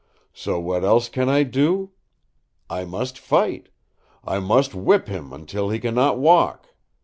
So what else can I do? I must fight. I must whip him until he can not walk.